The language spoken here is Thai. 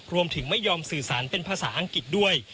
รวมถึงไม่ยอมสื่อสารเป็นภาษาอังกฤษด้วย